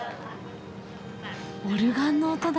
オルガンの音だ。